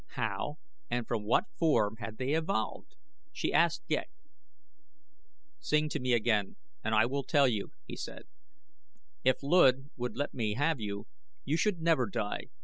How and from what form had they evolved? She asked Ghek. "Sing to me again and I will tell you," he said. "If Luud would let me have you, you should never die.